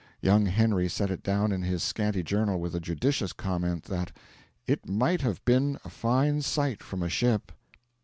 Young Henry set it down in his scanty journal with the judicious comment that 'it might have been a fine sight from a ship.'